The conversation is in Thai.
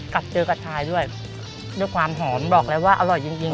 กับเจอกระชายด้วยด้วยความหอมบอกแล้วว่าอร่อยจริงจริง